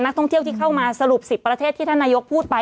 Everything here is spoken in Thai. ท่องเที่ยวที่เข้ามาสรุป๑๐ประเทศที่ท่านนายกพูดไป